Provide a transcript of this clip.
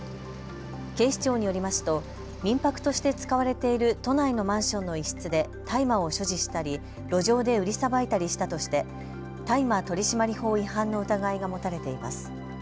警視庁によりますと民泊として使われている都内のマンションの一室で大麻を所持したり路上で売りさばいたりしたとして大麻取締法違反の疑いが持たれています。